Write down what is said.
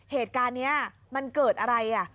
เหตุการณ์นี้มันเกิดอะไร